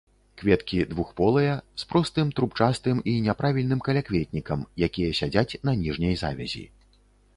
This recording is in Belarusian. Кветкі двухполыя з простым трубчастым і няправільным калякветнікам, якія сядзяць на ніжняй завязі.